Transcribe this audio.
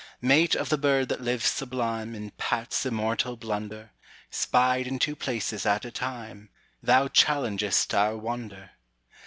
Mate of the bird that lives sublimeIn Pat's immortal blunder, Spied in two places at a time, Thou challengest our wonder.